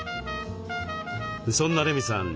そんな麗美さん